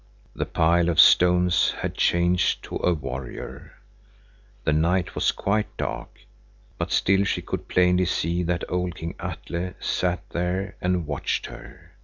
The pile of stones had changed to a warrior. The night was quite dark, but still she could plainly see that old King Atle sat there and watched her.